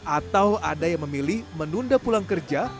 atau ada yang memilih menunda pulang kerja